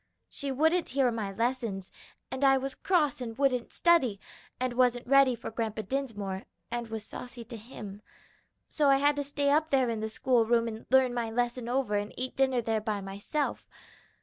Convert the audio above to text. She wouldn't hear my lessons, and I was cross and wouldn't study, and wasn't ready for Grandpa Dinsmore, and was saucy to him. So I had to stay up there in the school room and learn my lesson over and eat my dinner there by myself.